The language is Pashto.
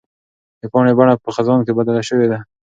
د پاڼې بڼه په خزان کې بدله شوې ده.